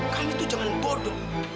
kami tuh jangan bodoh